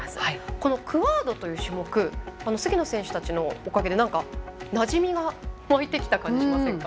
このクアードという種目菅野選手たちのおかげでなじみが湧いてきた感じがしませんか。